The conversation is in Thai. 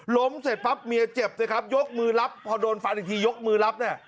เสร็จปั๊บเมียเจ็บสิครับยกมือรับพอโดนฟันอีกทียกมือรับเนี่ย